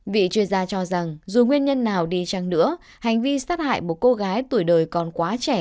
vị chuyên gia cho rằng dù nguyên nhân nào đi chăng nữa hành vi sát hại một cô gái tuổi đời còn quá trẻ